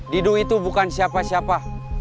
didu itu bukan siapa siapa